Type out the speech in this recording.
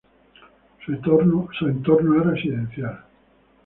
Su entorno es residencial.